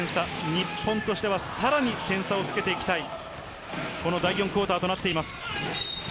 日本としてはさらに点差をつけていきたい第４クオーターとなっています。